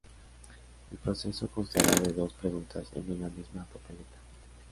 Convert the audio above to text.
El proceso constará de dos preguntas en una misma papeleta.